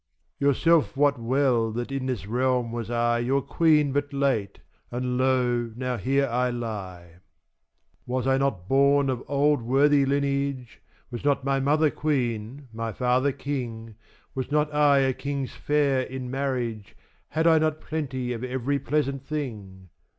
1 Yourself wot well that in this realm was I Your queen but late, and lo now here I lie. Was I not born of old worthy lineage, Was not my mother queen my, father king, Was I not a king's fare in marriage,2 Had I not plenty of every pleasant thing?